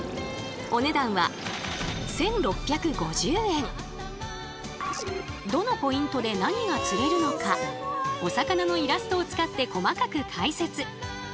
お値段はどのポイントで何が釣れるのかお魚のイラストを使って細かく解説。